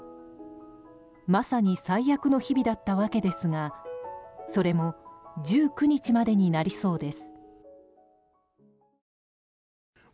まさに最悪の日々だったわけですがそれも１９日までになりそうです。